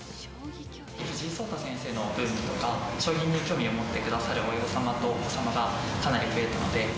藤井聡太先生のブームとか、将棋に興味を持ってくださる親御様とお子様がかなり増えたので。